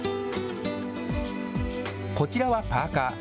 こちらはパーカー。